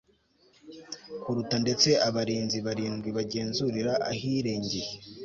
kuruta ndetse abarinzi barindwi bagenzurira ahirengeye